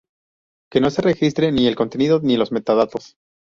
que no se registre ni el contenido, ni los metadatos